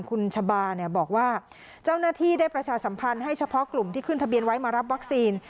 คุณชะบาบอกว่าเจ้าหน้าที่ได้ประชาสัมพันธ์ให้เฉพาะกลุ่มที่ขึ้นทะเบียนไว้มารับวัคซีน